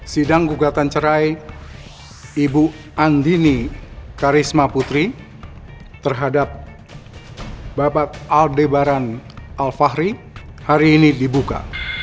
sidang gugatan cerai ibu andini karisma putri terhadap bapak aldebaran alfahri hari ini dibuka